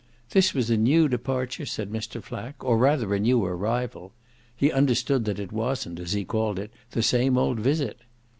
This was a new departure, said Mr. Flack, or rather a new arrival: he understood that it wasn't, as he called it, the same old visit.